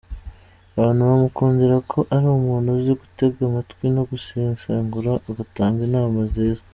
Abantu bamukundira ko ari umuntu uzi gutega amatwi no gusesengura agatanga inama nziza.